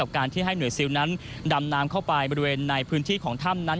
การที่ให้หน่วยซิลนั้นดำน้ำเข้าไปบริเวณในพื้นที่ของถ้ำนั้น